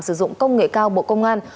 sử dụng công nghệ cao bộ công an